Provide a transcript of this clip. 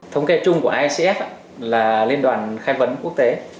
thống kê chung của icf là liên đoàn khai vấn quốc tế